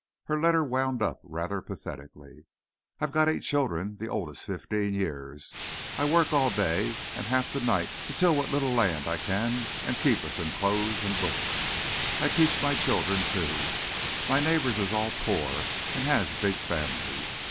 Her letter wound up rather pathetically: "I've got eight children, the oldest fifteen years. I work all day and half the night to till what little land I can and keep us in clothes and books. I teach my children too. My neighbours is all poor and has big families.